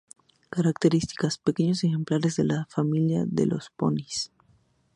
Características: Pequeños ejemplares de la familia de los ponis.